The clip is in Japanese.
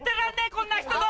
こんな人と！